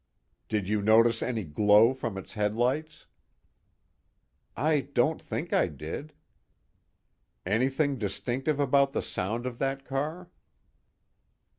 "Did you notice any glow from its headlights?" "I don't think I did." "Anything distinctive about the sound of that car?"